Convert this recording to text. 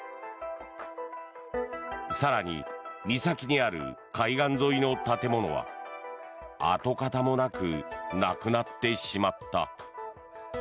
更に、岬にある海岸沿いの建物は跡形もなくなくなってしまった。